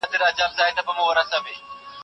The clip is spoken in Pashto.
ايا ته کتابتون ته راځې؟